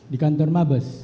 di kantor mabes